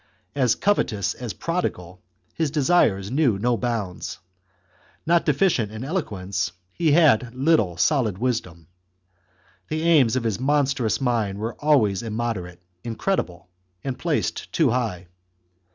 As covetous as prodigal, his desires knew no bounds. Not deficient in elo quence, he had little solid wisdom. The aims of his monstrous mind were always immoderate, incredible, THE CONSPIRACY OF CATILINE. 5 and placed too high.